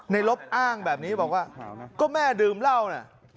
ลบอ้างแบบนี้บอกว่าก็แม่ดื่มเหล้านะ